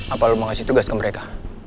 apa lo mau ngasih tugas ke mereka